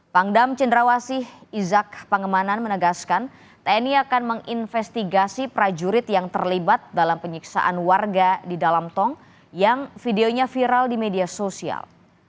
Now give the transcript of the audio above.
pangdam cenderawasih izak pangemanan menegaskan tni akan menginvestigasi prajurit yang terlibat dalam penyiksaan warga di dalam tong yang videonya viral di media sosial